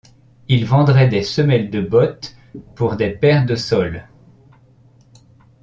Il vendrait des semelles de bottes pour des paires de soles.